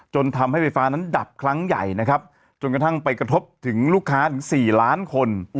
จนทำให้ไฟฟ้านั้นดับครั้งใหญ่นะครับจนกระทั่งไปกระทบถึงลูกค้าถึง๔ล้านคน